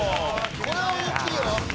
これは大きいよ。